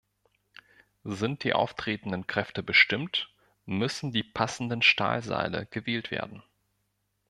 Sind die auftretenden Kräfte bestimmt, müssen die passenden Stahlseile gewählt werden.